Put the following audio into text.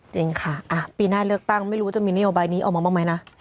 จริงค่ะปีหน้าเลือกตั้งไม่รู้ว่าจะมีนโยบายนี้ออกมาบ้างไหมนะ